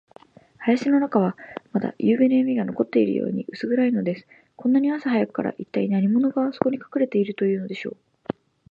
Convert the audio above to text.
林の中は、まだゆうべのやみが残っているように、うす暗いのです。こんなに朝早くから、いったい何者が、そこにかくれているというのでしょう。